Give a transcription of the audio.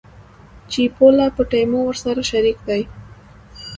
چې پوله، پټي مو سره شريک دي.